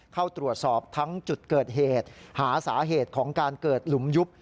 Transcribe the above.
เข้าตรวจสอบทั้งจุดเกิดเหตุหาสาเหตุของการเกิดหลุมยุบ